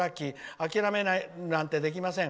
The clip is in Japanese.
諦めるなんてできません。